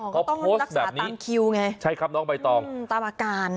เหมาะก็ต้องรักษาตามคิวไงตามอาการ